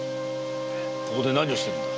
ここで何をしてるんだ？